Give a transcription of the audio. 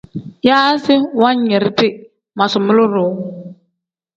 Yaazi wanyiridi manzulumuu-ro.